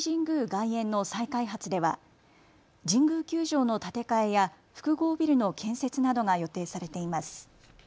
外苑の再開発では神宮球場の建て替えや複合ビルの建設などが予定されています。